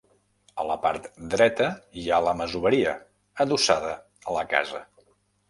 A la part dreta, hi ha la masoveria, adossada a la casa.